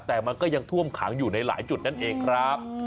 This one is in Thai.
แต่มันก็ยังท่วมขังอยู่ในหลายจุดนั่นเองครับ